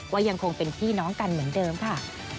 ยังคงเป็นพี่น้องกันเหมือนเดิมค่ะ